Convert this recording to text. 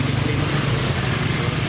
kita tidak tahu